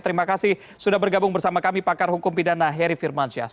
terima kasih sudah bergabung bersama kami pakar hukum pidana heri firmansyah